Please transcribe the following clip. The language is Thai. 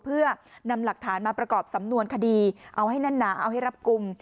เพื่อนำหลักฐานมาประกอบสำนวนคดีเอาให้แน่นหนาเอาให้รับกลุ่ม